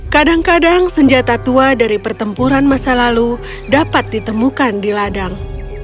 kadang kadang senjata tua dari pertempuran masa lalu dapat ditemukan di ladang